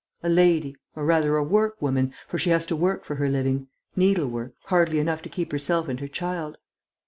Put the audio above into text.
"A lady ... or, rather, a workwoman, for she has to work for her living ... needlework, hardly enough to keep herself and her child."